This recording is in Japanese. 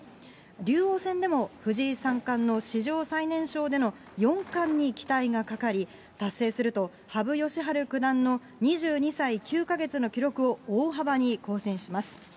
竜王戦でも藤井三冠の史上最年少での四冠に期待がかかり、達成すると、羽生善治九段の２２歳９か月の記録を大幅に更新します。